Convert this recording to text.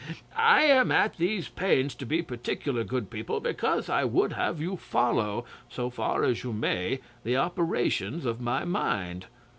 'I am at these pains to be particular, good people, because I would have you follow, so far as you may, the operations of my mind.